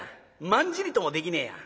まんじりともできねえや。